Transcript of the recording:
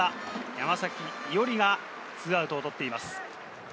山崎伊織が２アウトを取っています。